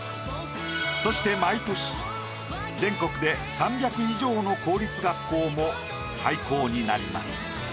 そして毎年全国で３００以上の公立学校も廃校になります。